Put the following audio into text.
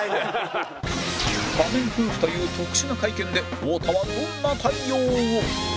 仮面夫婦という特殊な会見で太田はどんな対応を？